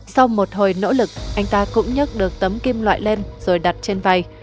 sau một hồi nỗ lực anh ta cũng nhấc được tấm kim loại lên rồi đặt trên vai